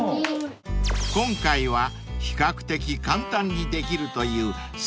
［今回は比較的簡単にできるという］